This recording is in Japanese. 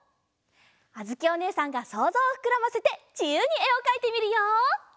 あづきおねえさんがそうぞうをふくらませてじゆうにえをかいてみるよ！